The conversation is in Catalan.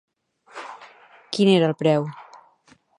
Quin era el preu?